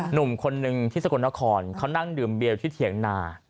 หนุ่มคนนึงที่สกลนครเขานั่งดื่มเบียวที่เถียงนา